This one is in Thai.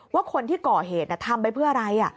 ว่าคนที่ก่อเหตุทำไปเพื่ออะไร